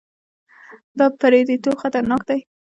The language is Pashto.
دا پرديتوب خطرناک دی.